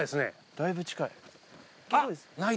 だいぶ近い。